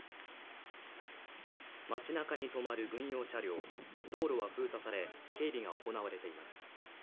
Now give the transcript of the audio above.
街中に泊まる軍用車両道路は封鎖され、警備が行われています。